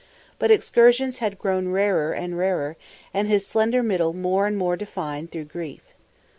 But excursions had grown rarer and rarer and his slender middle more and more defined through grief.